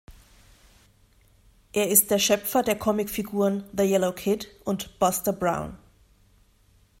Er ist der Schöpfer der Comicfiguren "The Yellow Kid" und "Buster Brown".